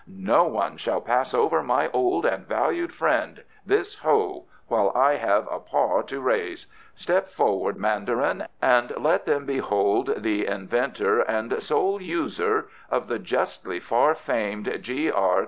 "No one shall pass over my old and valued friend this Ho while I have a paw to raise. Step forward, Mandarin, and let them behold the inventor and sole user of the justly far famed G. R.